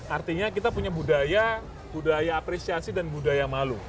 artinya kita punya budaya budaya apresiasi dan budaya malu